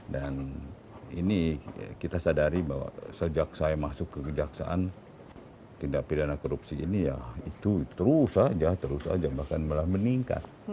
dan ini kita sadari bahwa sejak saya masuk ke kejaksaan tindak pidana korupsi ini ya itu terus saja terus saja bahkan malah meningkat